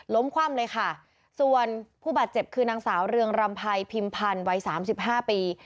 คว่ำเลยค่ะส่วนผู้บาดเจ็บคือนางสาวเรืองรำภัยพิมพันธ์วัยสามสิบห้าปี